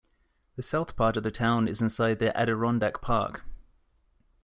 The south part of the town is inside the Adirondack Park.